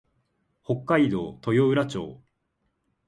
北海道豊浦町